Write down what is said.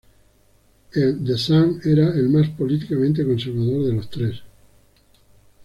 El "The Sun" era el más políticamente conservador de los tres.